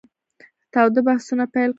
تاوده بحثونه پیل کړل.